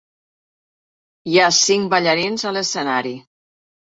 Hi ha cinc ballarins a l'escenari